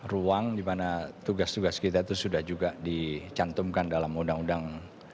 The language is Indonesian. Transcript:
ruang dimana tugas tugas kita itu sudah juga dicantumkan dalam undang undang